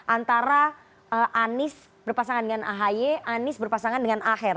antara anies berpasangan dengan ahy anies berpasangan dengan aher